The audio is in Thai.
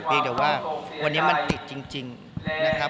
ยังแต่ว่าวันนี้มันติดจริงนะครับ